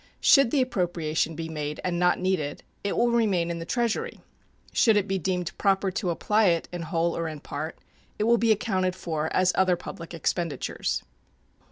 Should the appropriation be made and be not needed, it will remain in the Treasury; should it be deemed proper to apply it in whole or in part, it will be accounted for as other public expenditures.